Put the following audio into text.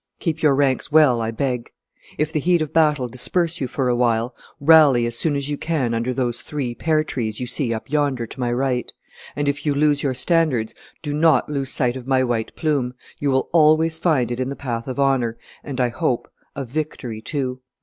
Keep your ranks well, I beg. If the heat of battle disperse you for a while, rally as soon as you can under those three pear trees you see up yonder to my right; and if you lose your standards, do not lose sight of my white plume; you will always find it in the path of honor, and, I hope, of victory too."